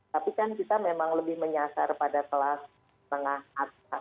tapi kan kita memang lebih menyasar pada kelas menengah atas